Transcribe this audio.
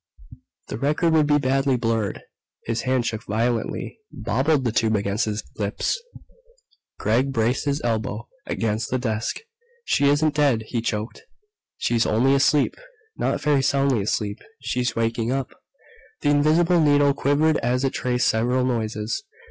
The record would be badly blurred. His hand shook violently, bobbled the tube against his lips. Gregg braced his elbow against the desk. "She isn't dead," he choked. "She's only asleep ... not very soundly asleep.... She's waking up!" The invisible needle quivered as it traced several noises.